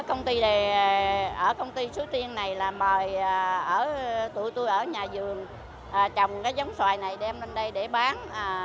ở công ty sú tiên này là mời tụi tôi ở nhà vườn trồng cái giống xoài này đem lên đây để bán